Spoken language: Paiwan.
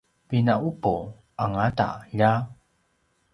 pina’upu angauta lja!